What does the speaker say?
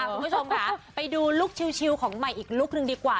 คุณผู้ชมค่ะไปดูลุคชิลของใหม่อีกลุคนึงดีกว่า